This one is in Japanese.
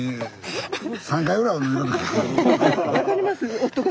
分かります。